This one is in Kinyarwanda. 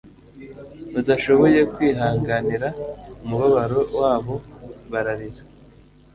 Badashoboye kwihanganira umubabaro wabo bararira.